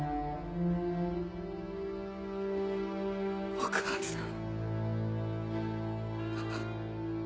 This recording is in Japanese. お母さん。